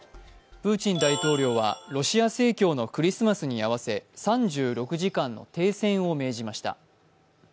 プーチン大統領はロシア正教のクリスマスに合わせ３６時間の停戦を命じました。